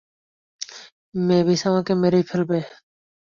Mavis আমাকে মেরেই ফেলবে।